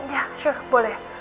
ya sure boleh